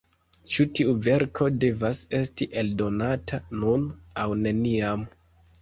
Ĉi tiu verko devas esti eldonata nun aŭ neniam.